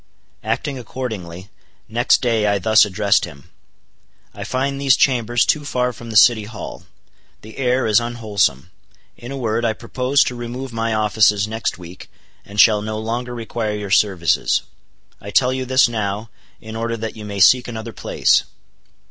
Acting accordingly, next day I thus addressed him: "I find these chambers too far from the City Hall; the air is unwholesome. In a word, I propose to remove my offices next week, and shall no longer require your services. I tell you this now, in order that you may seek another place."